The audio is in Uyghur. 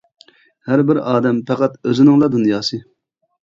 ھەر بىر ئادەم پەقەت ئۆزىنىڭلا دۇنياسى.